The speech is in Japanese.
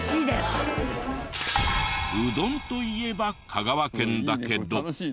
うどんといえば香川県だけど。